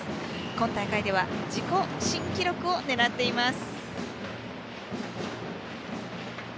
今大会では自己新記録を狙っています。